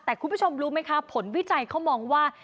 แต่คุณผู้ชมรู้ไหมคะผลวิจัยเขามองว่า